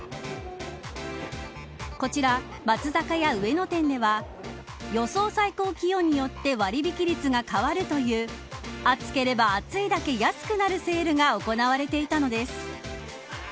こちら松坂屋上野店では予想最高気温によって割引率が変わるという暑ければ暑いだけ安くなるセールが行われていたのです。